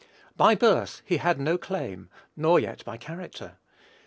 By birth he had no claim; nor yet by character.